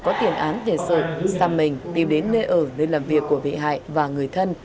có tiền án tiền sự xăm mình đi đến nơi ở nơi làm việc của bị hại và người thân